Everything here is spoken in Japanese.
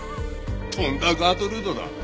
とんだガートルードだ。